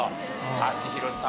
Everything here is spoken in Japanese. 舘ひろしさん